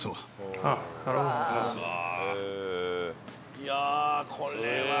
いやこれは。